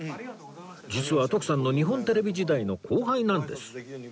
実は徳さんの日本テレビ時代の後輩なんです